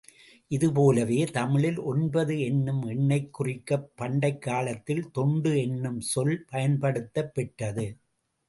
இது போலவே, தமிழில் ஒன்பது என்னும் எண்ணைக் குறிக்கப் பண்டைக் காலத்தில் தொண்டு என்னும் சொல் பயன்படுத்தப் பெற்றது.